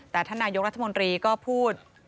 แต่ท่านนายกรัฐมนตรีก็พูด